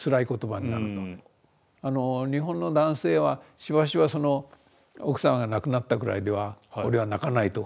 日本の男性はしばしば奥さんが亡くなったぐらいでは俺は泣かないとかね